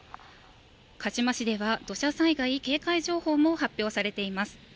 鹿嶋市では土砂災害警戒情報も発表されています。